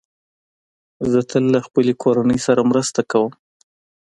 زه تل له خپلې کورنۍ سره مرسته کوم.